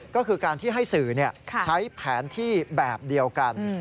ก็คือการที่ให้สื่อใช้แผนที่แบบเดียวกัน